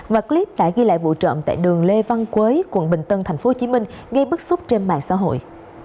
và clip đã ghi lại vụ trộm tại đường lê văn quế quận bình tân tp hcm gây bức xúc trên mạng xã hội